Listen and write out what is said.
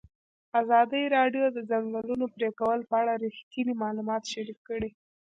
ازادي راډیو د د ځنګلونو پرېکول په اړه رښتیني معلومات شریک کړي.